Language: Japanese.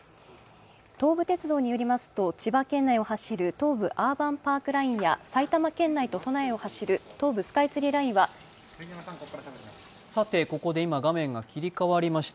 東武鉄道によりますと千葉県内を走る東武アーバンパークラインや埼玉県内と都内を走る東武スカイツリーラインはここで画面が切り替わりました。